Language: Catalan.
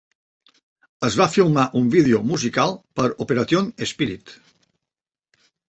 Es va filmar un vídeo musical per "Operation Spirit".